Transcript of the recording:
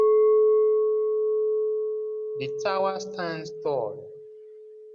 The tower stands tall.